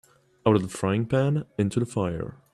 Out of the frying-pan into the fire